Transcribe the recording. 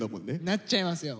なっちゃいますよ。